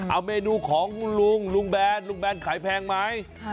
เอาเมนูของลุงลุงแบนลุงแบนขายแพงไหม